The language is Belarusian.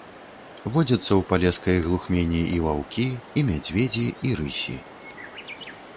Водзяцца ў палескай глухмені і ваўкі, і мядзведзі, і рысі.